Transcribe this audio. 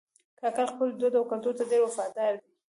کاکړي خپل دود او کلتور ته ډېر وفادار دي.